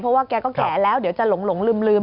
เพราะว่าแกก็แก่แล้วเดี๋ยวจะหลงลืม